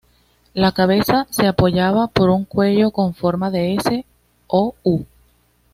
La cabeza se apoyaba por un cuello con forma de "S" o "U".